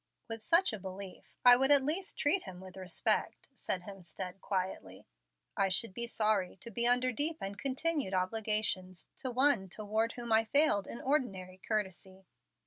"With such a belief, I would at least treat Him with respect," said Hemstead, quietly. "I should be sorry to be under deep and continued obligations to One toward whom I failed in ordinary courtesy."